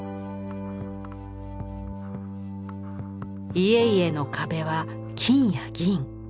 家々の壁は金や銀。